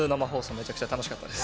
めちゃくちゃ楽しかったです。